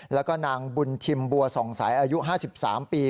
แล้วก็นางบุญทิมบัวส่องสายอายุ๕๓ปี